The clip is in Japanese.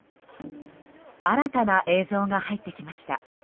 新たな映像が入ってきました。